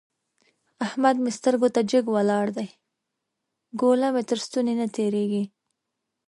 احمد مې سترګو ته جګ ولاړ دی؛ ګوله مې تر ستوني نه تېرېږي.